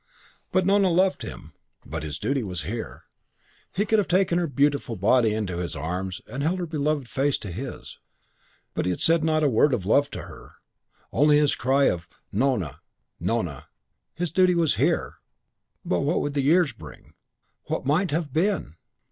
But Nona loved him.... But his duty was here.... And he could have taken her beautiful body into his arms and held her beloved face to his.... But he had said not a word of love to her, only his cry of "Nona Nona...." His duty was here.... But what would the years bring...? But what might have been!